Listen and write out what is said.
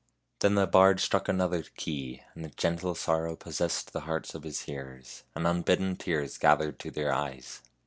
Then the bard struck another key, and a gentle sorrow pos sessed the hearts of his hearers, and unbidden tears gathered to their eyes.